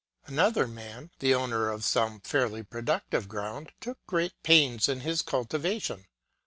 Another man, the owner of some fairly productive ground, took great pains in its cultivation.